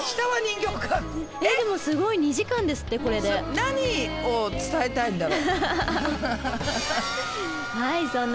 何を伝えたいんだろう。